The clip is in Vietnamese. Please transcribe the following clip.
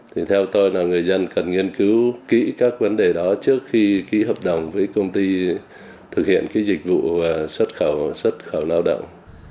thì theo tôi là người dân cần nghiên cứu kỹ các vấn đề đó trước khi kỹ hợp đồng với công ty thực hiện dịch vụ xuất khẩu lao động